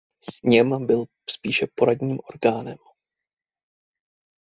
Sněm byl spíše poradním orgánem.